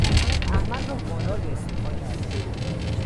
احمد را وادار به استعفا کردند.